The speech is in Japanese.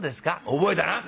「覚えたな。